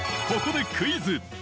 ここでクイズ。